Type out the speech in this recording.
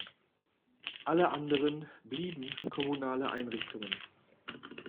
Alle anderen blieben kommunale Einrichtungen.